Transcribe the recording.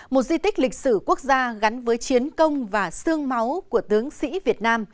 một di tích lịch sử quốc gia gắn với chiến công và sương máu của tướng sĩ việt nam